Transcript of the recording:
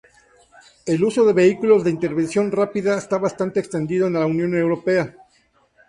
El uso de vehículos de intervención rápida está bastante extendido en la Unión Europea.